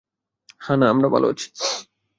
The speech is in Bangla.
হ্যাঁ, না, আমরা ভালো আছি।